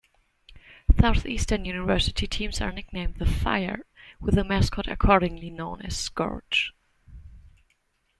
Southeastern University teams are nicknamed the Fire, with a mascot accordingly known as Scorch.